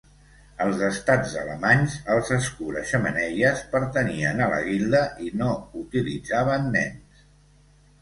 Als Estats alemanys, els escura-xemeneies pertanyien a la guilda i no utilitzaven nens.